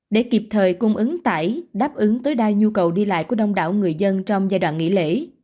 để kịp thời cung ứng tải đáp ứng tối đa nhu cầu đi lại của đông đảo người dân trong giai đoạn nghỉ lễ